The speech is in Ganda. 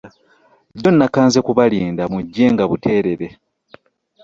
Jjo nakanze kubalinda mujje nga buteerere.